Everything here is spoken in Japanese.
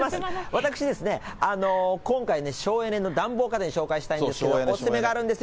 私ですね、今回、省エネの暖房家電を紹介したいんですけれども、お勧めがあるんですよ。